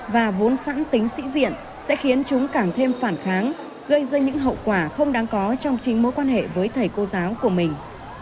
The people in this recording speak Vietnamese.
và vốn sẵn tính sĩ diện sẽ khiến chúng càng thêm phản kháng gây ra những hậu quả không đáng có trong chính mối quan hệ với thầy cô giáo của mình